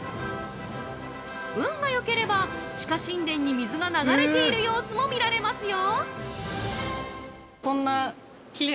運がよければ地下神殿に水が流れている様子も見られますよ！